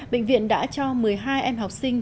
bệnh viện đã cho một mươi hai em học sinh